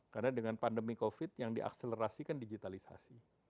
karena dengan pandemi covid yang diakselerasikan digitalisasi